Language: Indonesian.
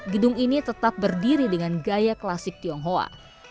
gedung ini tetap berdiri dengan gaya klasik tionghoa